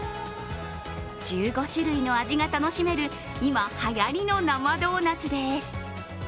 １５種類の味が楽しめる今、はやりの生ドーナツです。